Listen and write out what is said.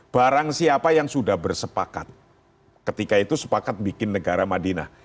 barang siapa yang sudah bersepakat ketika itu sepakat bikin negara madinah